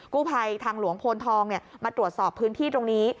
ภัยทางหลวงโพนทองมาตรวจสอบพื้นที่ตรงนี้